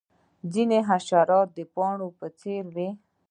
ځینې حشرات د پاڼو په څیر وي